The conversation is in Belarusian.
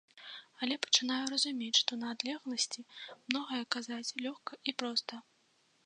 Але пачынаю разумець, што на адлегласці многае казаць лёгка і проста.